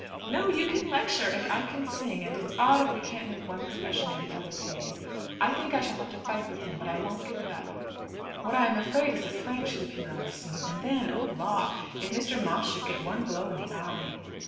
"No! You can lecture and I can sing, and it's odd if we can't make one profession or the other pay. I think I shall have to fight with him, but I won't give it up. What I am afraid is that Frank should appear on the scene. And then, oh law! if Mr. Moss should get one blow in the eye!"